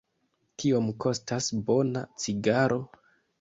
Kiom kostas bona cigaro?